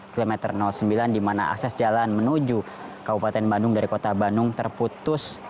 kilometer sembilan di mana akses jalan menuju kabupaten bandung dari kota bandung terputus